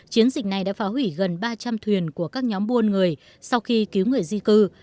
chiến dịch này đã phá hủy gần ba trăm linh thuyền của các nhóm buôn người sau khi cứu người di cư